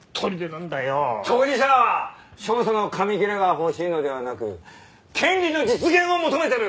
当事者は勝訴の紙切れが欲しいのではなく権利の実現を求めてる！